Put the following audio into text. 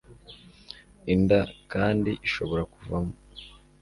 Inda kandi ishobora kuvamo,